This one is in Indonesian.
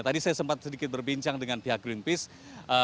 tadi saya sempat sedikit berbincang dengan pihak greenpeace